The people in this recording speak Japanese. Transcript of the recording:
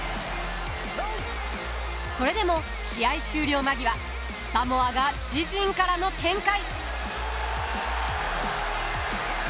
それでも、試合終了間際サモアが自陣からの展開。